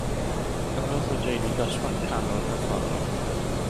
Hanodd o deulu dosbarth canol, Catholig.